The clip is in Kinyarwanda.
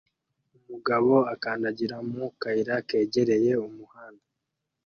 Umugabo akandagira mu kayira kegereye umuhanda